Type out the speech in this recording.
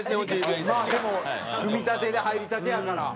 まあでも組みたてで入りたてやから。